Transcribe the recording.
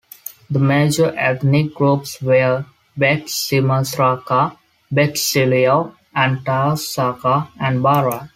The major ethnic groups were Betsimisaraka, Betsileo, Antaisaka and Bara.